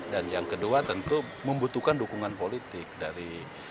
dan yang kedua tentu membutuhkan dukungan politik dari partai politik